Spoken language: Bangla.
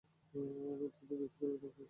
আমি অত্যন্ত দুঃখিত, ম্যাডাম ফাস্তা।